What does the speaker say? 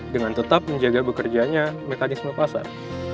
dengan tetap menjaga bekerjanya mekanisme pasar